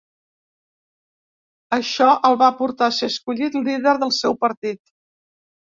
Això el va portar a ser escollit líder del seu partit.